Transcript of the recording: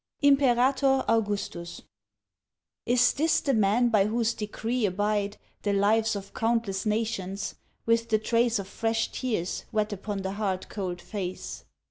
1881. IMPERATOR AUGUSTUS Is this the man by whose decree abide The lives of countless nations, with the trace Of fresh tears wet upon the hard cold face?